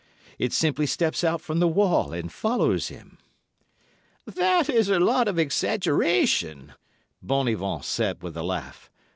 It simply steps out from the wall and follows him.' "'That is a lot of exaggeration,' Bonivon said with a laugh.